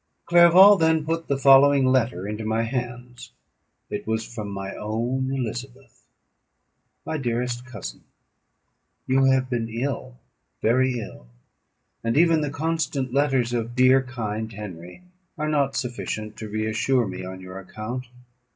Clerval then put the following letter into my hands. It was from my own Elizabeth: "My dearest Cousin, "You have been ill, very ill, and even the constant letters of dear kind Henry are not sufficient to reassure me on your account.